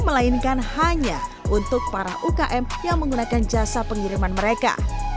melainkan hanya untuk para ukm yang menggunakan jasa pengiriman mereka